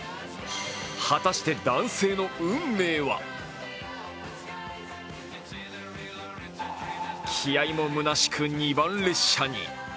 果たして、男性の運命は気合いもむなしく二番列車に。